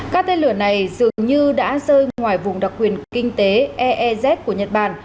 các tên lửa này dường như đã rơi ngoài vùng đặc quyền kinh tế eez của nhật bản